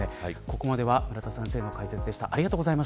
ここまでは村田先生の解説でした。